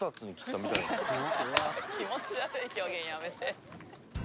気持ち悪い表現やめて。